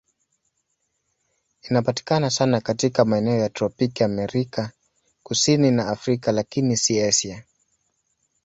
Inapatikana sana katika maeneo ya tropiki Amerika Kusini na Afrika, lakini si Asia.